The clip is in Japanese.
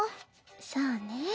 そうね。